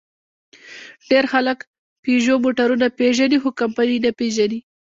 ډېر خلک پيژو موټرونه پېژني؛ خو کمپنۍ یې نه پېژني.